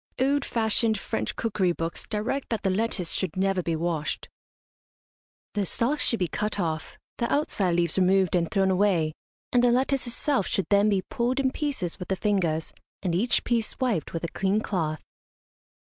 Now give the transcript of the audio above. Old fashioned French cookery books direct that the lettuce should never be washed. The stalks should be cut off, the outside leaves removed and thrown away, and the lettuce itself should then be pulled in pieces with the fingers, and each piece wiped with a clean cloth.